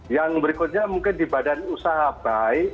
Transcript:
yang berikutnya mungkin di badan usaha baik